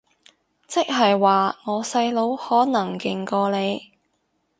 即係話我細佬可能勁過你